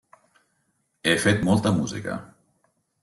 He fet molta música.